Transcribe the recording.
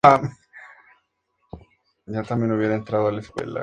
Está situada en la parte suroriental de la comarca de Sierra de Cazorla.